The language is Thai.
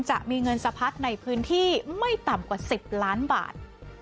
จะมีเงินสะพัดในพื้นที่ไม่ต่ำกว่า๑๐ล้านบาท